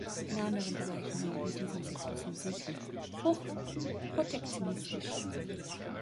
In anderen Bereichen aber, wie diesem Sektor, sind sie hochprotektionistisch.